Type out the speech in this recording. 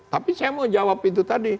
tapi saya mau jawab itu tadi